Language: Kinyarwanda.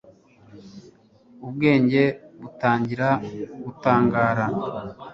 ubwenge butangira gutangara